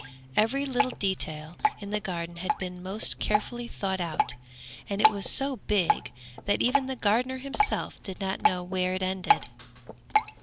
Every little detail in the garden had been most carefully thought out, and it was so big, that even the gardener himself did not know where it ended.